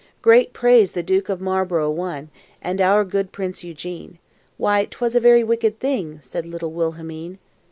"Great praise the Duke of Marlbro' won, And our good prince Eugene." "Why 'twas a very wicked thing!" Said little Wilhelmine.